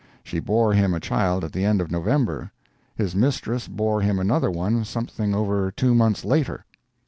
She bore him a child at the end of November, his mistress bore him another one something over two months later.